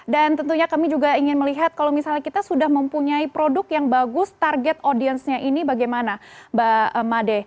dan tentunya kami juga ingin melihat kalau misalnya kita sudah mempunyai produk yang bagus target audiensnya ini bagaimana mbak made